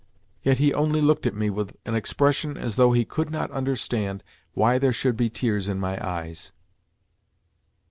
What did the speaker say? Yet he only looked at me with an expression as though he could not understand why there should be tears in my eyes.